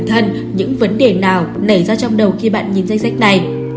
bản thân những vấn đề nào lẻ ra trong đầu khi bạn nhìn danh sách này